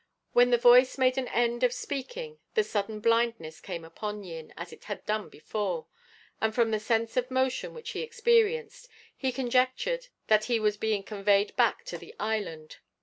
When the Voice made an end of speaking the sudden blindness came upon Yin, as it had done before, and from the sense of motion which he experienced, he conjectured that he was being conveyed back to the island.